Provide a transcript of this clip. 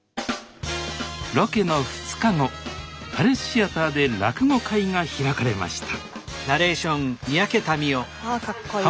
ロケの２日後パレスシアターで落語会が開かれましたあかっこいい。